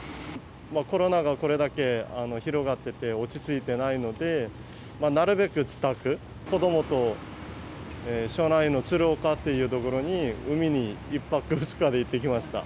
コロナがこれだけ広がってて落ち着いてないのでなるべく近く、子どもと庄内の鶴岡というところに海に１泊２日で行ってきました。